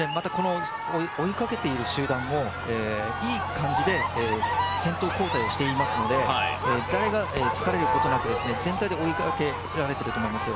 追いかけている集団もいい気持ちで先頭交代をしていますので誰が疲れることなく、全体で追いかけられていると思います。